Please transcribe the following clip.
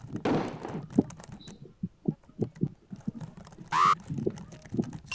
展枝玉叶金花为茜草科玉叶金花属下的一个种。